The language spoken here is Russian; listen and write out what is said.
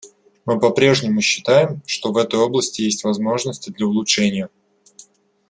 Мы попрежнему считаем, что в этой области есть возможности для улучшения.